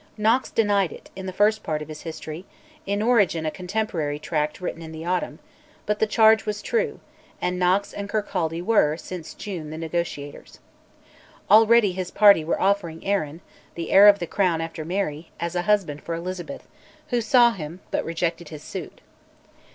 Knox denied it, in the first part of his History (in origin a contemporary tract written in the autumn), but the charge was true, and Knox and Kirkcaldy were, since June, the negotiators. Already his party were offering Arran (the heir of the crown after Mary) as a husband for Elizabeth, who saw him but rejected his suit.